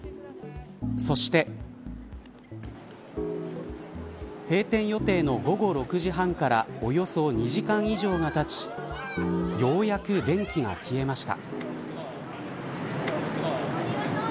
そして閉店予定の午後６時半からおよそ２時間以上がたちようやく電気が消えました。